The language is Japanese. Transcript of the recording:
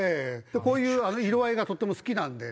こういう色合いがとっても好きなんで。